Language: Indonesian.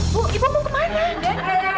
bu ibu mau ke mana